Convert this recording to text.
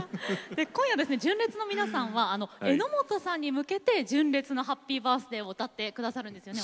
今夜純烈の皆さんは榎本さんに向けて「純烈のハッピーバースデー」を歌っていただけるんですよね。